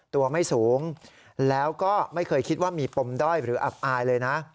ตัวไม่สูงแล้วก็ไม่เคยคิดว่ามีปมด้อยหรืออับอายเลยนะ